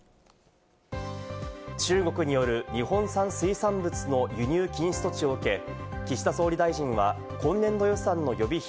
中国による日本産水産物の輸入禁止措置を受け、岸田総理大臣は今年度予算の予備費